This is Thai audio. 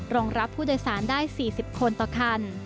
รองรับผู้โดยสารได้๔๐คนต่อคัน